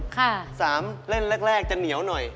สามเล่นแรกจะเหนียวหน่อย